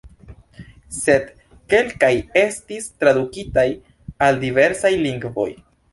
Sed kelkaj estis tradukitaj al diversaj lingvoj.